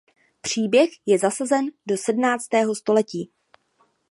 Příběh je zasazen do sedmnáctého století.